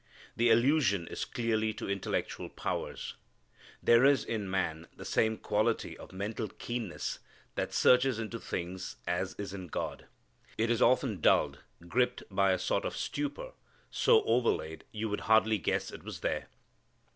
The allusion is clearly to intellectual powers. There is in man the same quality of mental keenness that searches into things as is in God. It is often dulled, gripped by a sort of stupor, so overlaid you would hardly guess it was there.